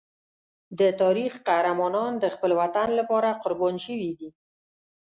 د تاریخ قهرمانان د خپل وطن لپاره قربان شوي دي.